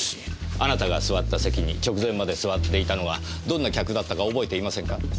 あなたが座った席に直前まで座っていたのはどんな客だったか覚えていませんか？